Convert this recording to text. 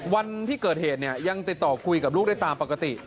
วันที่เกิดเหตุเนี่ยยังติดต่อคุยกับลูกได้ตามปกติ